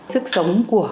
sức sống của